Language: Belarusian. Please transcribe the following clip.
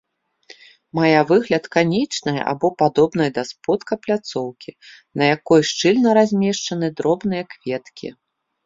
Мае выгляд канічнай або падобнай да сподка пляцоўкі, на якой шчыльна размешчаны дробныя кветкі.